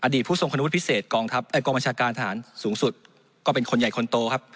อดีตผู้ส่งคนวิทย์พิเศษกองบัญชาการทหารสูงสุดก็เป็นคนใหญ่คนโตครับ